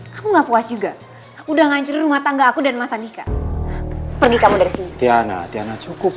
kamu puas juga udah ngancur rumah tangga aku dan masa nikah pergi kamu dari sini tiana tiana cukup